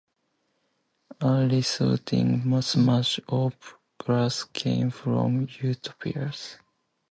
A resounding smash of glass came from upstairs.